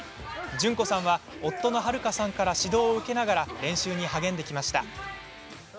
順子さんは夫の悠さんから指導を受けながら練習に励んできました。